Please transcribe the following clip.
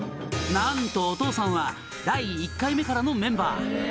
「なんとおとうさんは第１回目からのメンバー」